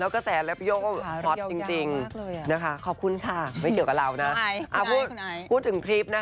จะไปขอพรเรื่องวันนี้